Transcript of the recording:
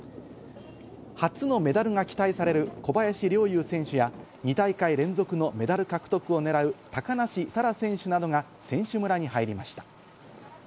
初のメダルが期待される小林陵侑選手や２大会連続のメダル獲得を狙う高梨沙羅選手などが選手村に入りました。